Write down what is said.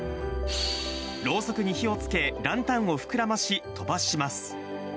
ろうそくに火をつけ、ランタンを膨らまし、飛ばします。